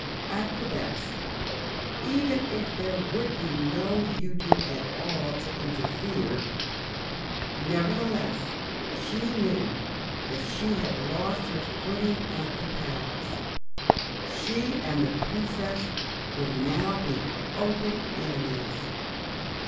At the best, even if there would be no Udo at all to interfere, nevertheless she knew that she had lost her footing at the Palace. She and the Princess would now be open enemies.